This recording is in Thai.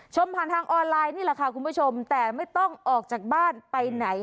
ชมผ่านทางออนไลน์นี่แหละค่ะคุณผู้ชมแต่ไม่ต้องออกจากบ้านไปไหน